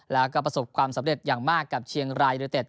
แล้วก็ประสบความสำเร็จอย่างมากกับเชียงรายยูเต็ด